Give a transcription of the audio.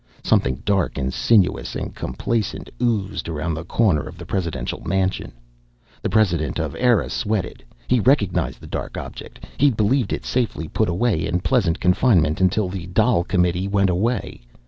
Something dark and sinuous and complacent oozed around the corner of the presidential mansion. The president of Eire sweated. He recognized the dark object. He'd believed it safely put away in pleasant confinement until the Dail Committee went away.